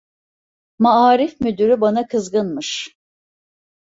Maarif müdürü bana kızgınmış.